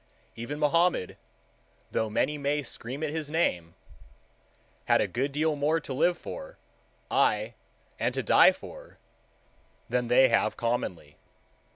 Even Mahomet, though many may scream at his name, had a good deal more to live for, aye, and to die for, than they have commonly.